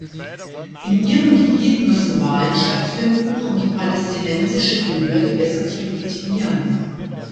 In ihrem Gebiet müssen Wahlen stattfinden, um die palästinensische Behörde besser zu legitimieren.